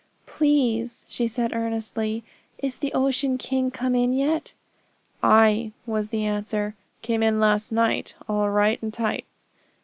'Please,' she said earnestly, 'is the Ocean King come in yet?' 'Ay,' was the answer. 'Came in last night, all right and tight.'